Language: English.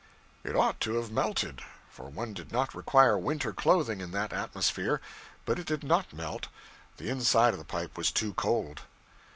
It ought to have melted; for one did not require winter clothing in that atmosphere: but it did not melt; the inside of the pipe was too cold.